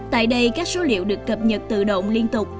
tại đây các số liệu được cập nhật tự động liên tục